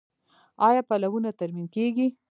آیا پلونه ترمیم کیږي؟